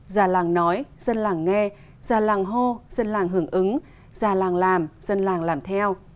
già làng nói dân làng nghe già làng hô dân làng hưởng ứng già làng làm dân làng làm theo